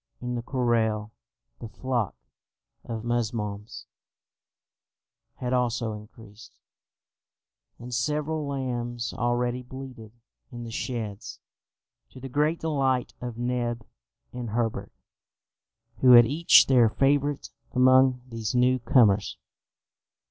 In the corral, the flock of musmons had also increased, and several lambs already bleated in the sheds, to the great delight of Neb and Herbert, who had each their favourite among these new comers.